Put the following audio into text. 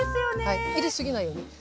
入れ過ぎないように。